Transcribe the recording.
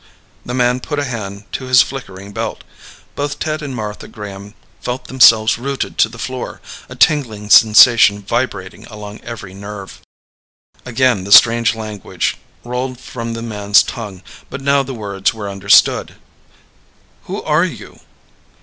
The man put a hand to his flickering belt. Both Ted and Martha Graham felt themselves rooted to the floor, a tingling sensation vibrating along every nerve. Again the strange language rolled from the man's tongue, but now the words were understood. "Who are you?"